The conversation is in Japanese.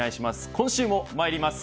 今週も、まいります。